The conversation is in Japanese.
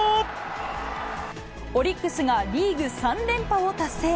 オリックスがリーグ３連覇を達成。